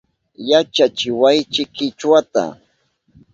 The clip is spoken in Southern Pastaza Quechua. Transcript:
Yachachiwaychi Kichwata